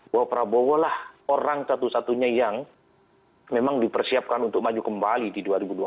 bahwa prabowo lah orang satu satunya yang memang dipersiapkan untuk maju kembali di dua ribu dua puluh